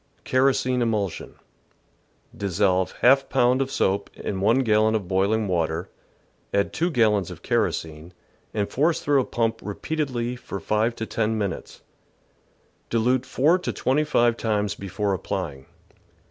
Kerosene Emulsion. — ^Dissolve ^^ pound of soap in 1 gallon of boiling water, add 2 gallons of kerosene, and force through a pump repeatedly for five to ten minutes; dilute four to twenty five times before applying.